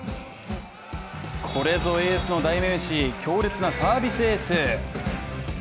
これぞエースの代名詞強烈なサービスエース。